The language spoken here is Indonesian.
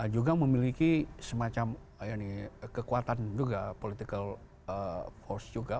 juga memiliki semacam kekuatan juga political force juga